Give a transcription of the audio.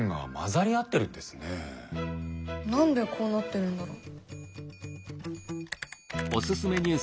何でこうなってるんだろう？